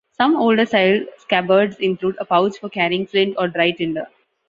Some older style scabbards include a pouch for carrying flint or dry tinder.